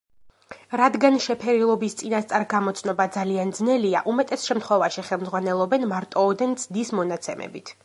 რადგან შეფერილობის წინასწარ გამოცნობა ძალიან ძნელია, უმეტეს შემთხვევაში ხელმძღვანელობენ მარტოოდენ ცდის მონაცემებით.